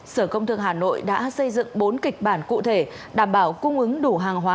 sở công thương hà nội đã xây dựng bốn kịch bản cụ thể đảm bảo cung ứng đủ hàng hóa